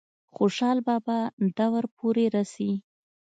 خوشحال بابا دور پورې رسي ۔